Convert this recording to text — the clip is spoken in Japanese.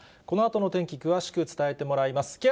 このあとの天気、詳しく伝えてもらいます。